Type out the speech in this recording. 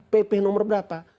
pp nomor berapa